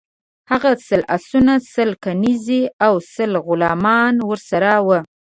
هغه سل آسونه، سل کنیزي او سل غلامان ورسره وه.